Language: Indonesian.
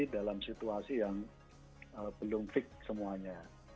dalam situasi yang belum fix semuanya